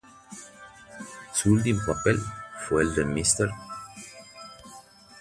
Su último papel fue el de Mr.